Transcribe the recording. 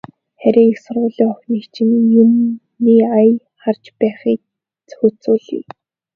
Харин их сургуулийн охиныг чинь юмны ая харж байж зохицуулъя.